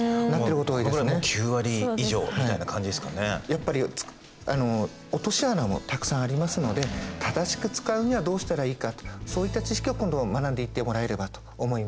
やっぱり落とし穴もたくさんありますので正しく使うにはどうしたらいいかとそういった知識を今度は学んでいってもらえればと思います。